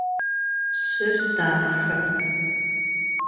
Şşır daxe.